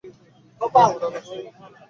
সেদিন আমার আর আসবে না।